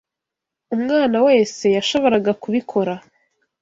Umwana wese yashoboraga kubikora.